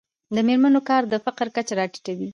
د میرمنو کار د فقر کچه راټیټوي.